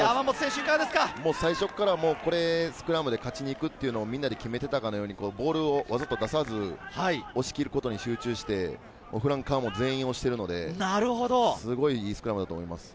最初からスクラムで勝ちに行くというのをみんなで決めていたかのようにボールをわざと出さず押し切ることに集中して、フランカーも全員押しているので、いいスクラムだと思います。